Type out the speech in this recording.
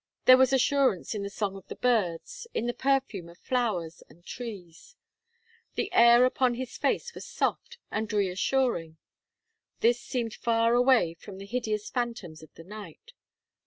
There was assurance in the song of the birds, in the perfume of flowers and trees. The air upon his face was soft and reassuring. This seemed far away from the hideous phantoms of the night.